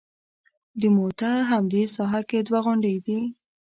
د موته همدې ساحه کې دوه غونډۍ دي.